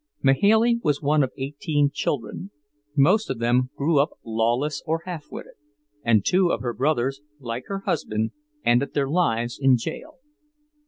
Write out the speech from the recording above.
Mahailey was one of eighteen children; most of them grew up lawless or half witted, and two of her brothers, like her husband, ended their lives in jail.